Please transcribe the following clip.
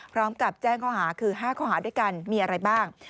พร้อมกับแจ้งข้อหาคือ๕ข้อหาด้วยกันมีอะไรบ้าง